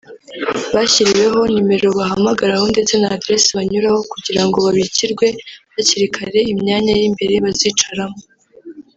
bashyiriweho numero bahamagaraho ndetse na Address banyuraho kugira ngo babikirwe hakiri kare imyanya y'imbere bazicaramo